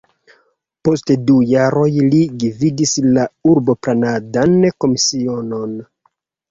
Post du jaroj li gvidis la urboplanadan komisionon.